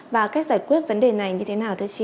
và cách giải quyết vấn đề này như thế nào thưa chị